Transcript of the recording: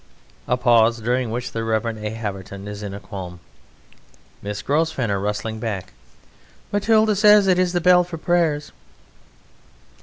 (A pause, during which the REV. A. HAVERTON is in a qualm.) MISS GROSVENOR (rustling back): Matilda says it is the bell for prayers.